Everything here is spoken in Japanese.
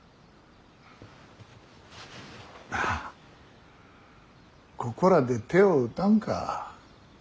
なあここらで手を打たんか。